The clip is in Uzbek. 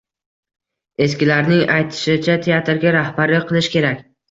Eskilarning aytishicha, teatrga rahbarlik qilish kerak.